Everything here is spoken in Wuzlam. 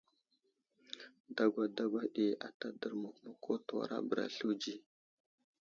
Dagwa dagwa ɗi ata dərmuk muku təwara bəra slunzi.